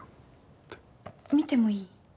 見てもいい？